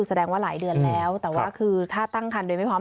แสดงว่าหลายเดือนแล้วแต่ว่าคือถ้าตั้งคันโดยไม่พร้อม